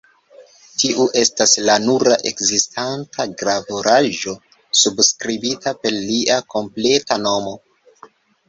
Tiu estas la nura ekzistanta gravuraĵo subskribita per lia kompleta nomo.